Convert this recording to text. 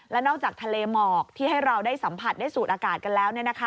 และนอกจากทะเลหมอกที่ให้เราได้สัมผัสได้สูดอากาศกันแล้ว